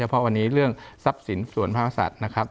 เพราะวันนี้เรื่องทรัพย์สินส่วนพระกษัตริย์นะครับ